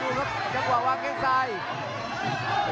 ต้องบอกว่าคนที่จะโชคกับคุณพลน้อยสภาพร่างกายมาต้องเกินร้อยครับ